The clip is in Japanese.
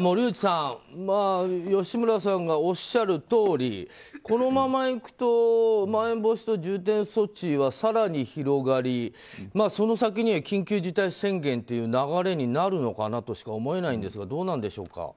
森内さん吉村さんがおっしゃるとおりこのままいくとまん延防止等重点措置は更に広がり、その先には緊急事態宣言という流れになるのかなとしか思えないんですがどうなんでしょうか。